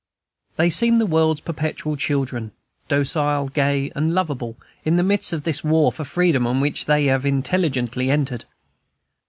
They seem the world's perpetual children, docile, gay, and lovable, in the midst of this war for freedom on which they have intelligently entered.